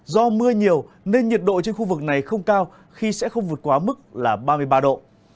do mưa nhiều nên nhiệt độ trên khu vực này không cao khi sẽ không vượt quá mức là ba mươi ba độ